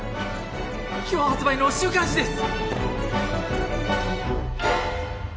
今日発売の週刊誌です！